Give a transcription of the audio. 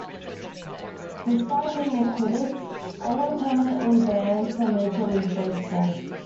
Despite being acquitted, all were permanently banned from Major League Baseball.